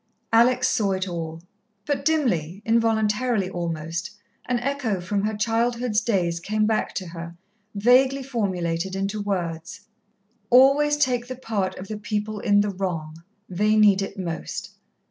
Alex saw it all. But dimly, involuntarily almost, an echo from her childhood's days came back to her, vaguely formulated into words: "_Always take the part of the people in the wrong they need it most.